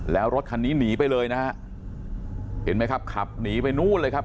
แล้วรถคันนี้หนีไปเลยนะฮะเห็นไหมครับขับหนีไปนู่นเลยครับ